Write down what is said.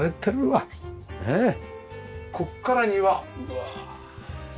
ここから庭うわあ。